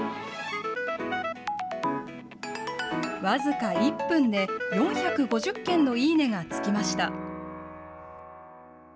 僅か１分で、４５０件のいいねがつきました。